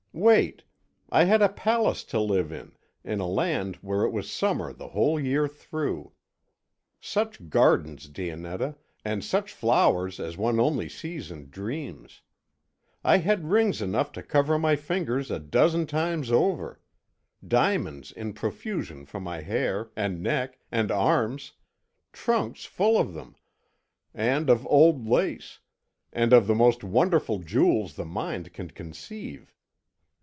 "Wait. I had a palace to live in, in a land where it was summer the whole year through. Such gardens, Dionetta, and such flowers as one only sees in dreams. I had rings enough to cover my fingers a dozen times over; diamonds in profusion for my hair, and neck, and arms, trunks full of them, and of old lace, and of the most wonderful jewels the mind can conceive.